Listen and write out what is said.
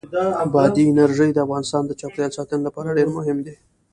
بادي انرژي د افغانستان د چاپیریال ساتنې لپاره ډېر مهم دي.